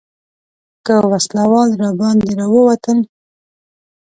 که وسله وال راباندې راووتل.